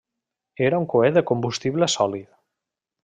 Era un coet de combustible sòlid.